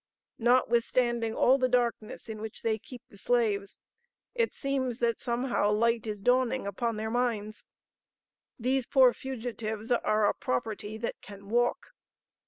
Notwithstanding all the darkness in which they keep the slaves, it seems that somehow light is dawning upon their minds.... These poor fugitives are a property that can walk.